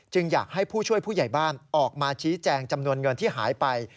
อยากให้ผู้ช่วยผู้ใหญ่บ้านออกมาชี้แจงจำนวนเงินที่หายไป